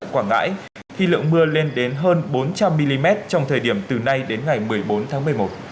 quảng ngãi khi lượng mưa lên đến hơn bốn trăm linh mm trong thời điểm từ nay đến ngày một mươi bốn tháng một mươi một